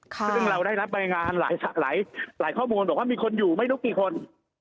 ซึ่งเราได้รับรายงานหลายข้อมูลบอกว่ามีคนอยู่ไม่รู้กี่คน